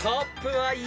はい！